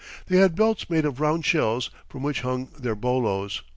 They had belts made of round shells from which hung their bolos.